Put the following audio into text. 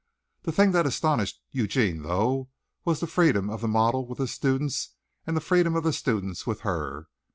The thing that astonished Eugene though, was the freedom of the model with the students and the freedom of the students with her.